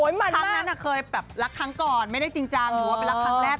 ครั้งนั้นเคยแบบรักครั้งก่อนไม่ได้จริงจังหรือว่าเป็นรักครั้งแรก